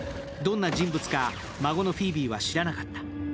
どんな人物か、孫のフィービーは知らなかった。